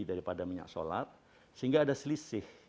daripada minyak solar sehingga ada selisih